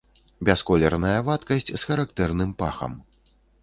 Бясколерная вадкасць з характэрным пахам.